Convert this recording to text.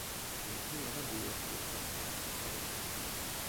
Vi har hela boet fullt av präktiga ägg.